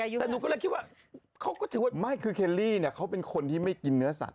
แต่หนูก็เลยคิดว่าเขาก็ถือว่าไม่คือเคลลี่เนี่ยเขาเป็นคนที่ไม่กินเนื้อสัตว